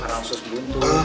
karena usus buntu